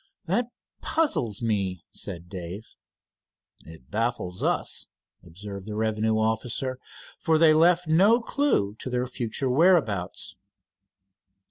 "That puzzles me," said Dave. "It baffles us," observed the revenue officer, "for they have left no clew to their future whereabouts."